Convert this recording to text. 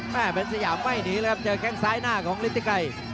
เป็นสยามไม่หนีเลยครับเจอแค่งซ้ายหน้าของฤทธิไกร